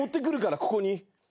ここに。